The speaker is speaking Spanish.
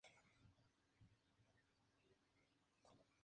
Con el saqueo de la reducción se liquidaron todos los sueños de progreso.